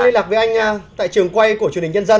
liên lạc với anh tại trường quay của truyền hình nhân dân